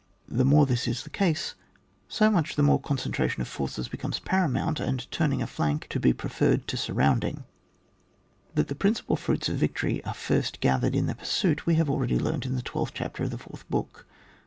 The more this is the case, so much the more concentration of forces becomes paramount, and turning a flank to be preferred to surrounding. That the principal fruits of victory are first gathered in the pursiiit, we have already learnt in the twelfth chapter of the 4th Book.